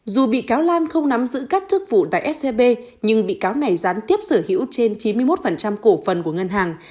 dù bị cáo lan không nắm giữ các chức vụ tại scb nhưng bị cáo này gián tiếp sở hữu trên chín mươi một cổ phần của ngân hàng